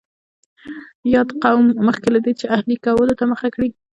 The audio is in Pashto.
یاد قوم مخکې له دې چې اهلي کولو ته مخه کړي.